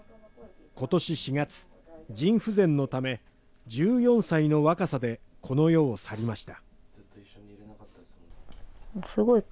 今年４月、腎不全のため１４歳の若さでこの世を去りました。